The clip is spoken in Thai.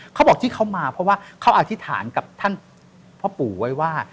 เขาบอกที่เขามาเพราะว่าเขาอธิษฐานกับท่านพ่อปู่ไว้ว่า